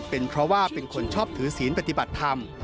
เป็นเพราะว่าเป็นคนชอบถือศีลปฏิบัติธรรม